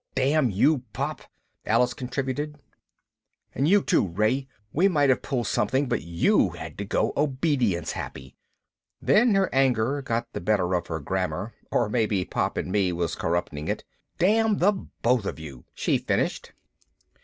"Damn you, Pop!" Alice contributed. "And you too, Ray! We might have pulled something, but you had to go obedience happy." Then her anger got the better of her grammar, or maybe Pop and me was corrupting it. "Damn the both of you!" she finished.